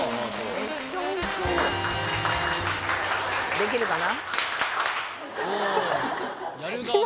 できるかな？